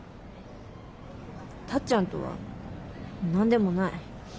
タッちゃんとは何でもない。